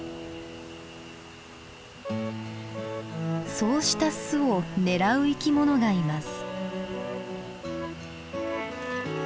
そうした巣を狙う生きものがいます。